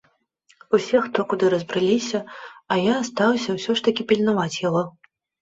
Усе хто куды разбрыліся, я астаўся ўсё ж такі пільнаваць яго.